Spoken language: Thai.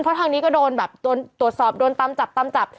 เพราะทางนี้ก็โดนแบบโดนตรวจสอบโดนตามจับตามจับ